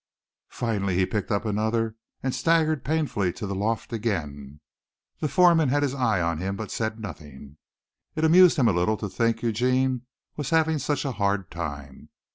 Finally he picked up another and staggered painfully to the loft again. The foreman had his eye on him but said nothing. It amused him a little to think Eugene was having such a hard time.